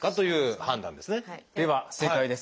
では正解です。